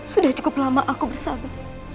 sudah cukup lama aku bersabar